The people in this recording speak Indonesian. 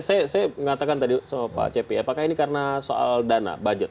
saya mengatakan tadi sama pak cepi apakah ini karena soal dana budget